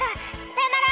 さよなら！